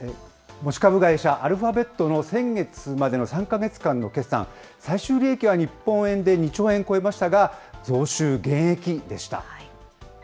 持ち株会社、アルファベットの先月までの３か月間の決算、最終利益は日本円で２兆円を超えましたが、増収減益でした。